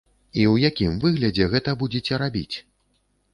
І ў якім выглядзе гэта будзеце рабіць?